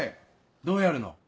どうやるの？